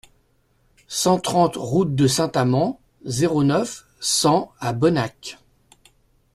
cent trente route de Saint-Amans, zéro neuf, cent à Bonnac